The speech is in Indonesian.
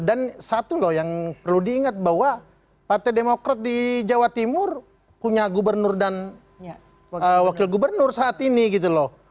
dan satu loh yang perlu diingat bahwa partai demokrat di jawa timur punya gubernur dan wakil gubernur saat ini gitu loh